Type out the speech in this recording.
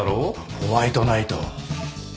ホワイトナイト。